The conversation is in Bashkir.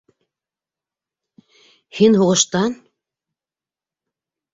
- Һин һуғыштан...